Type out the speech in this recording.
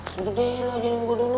sebenernya lo ajarin gue dulu